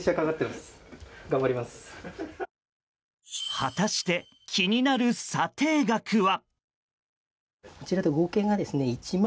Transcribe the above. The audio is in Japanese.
果たして、気になる査定額は？